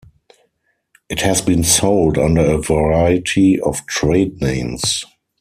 It has been sold under a variety of trade names.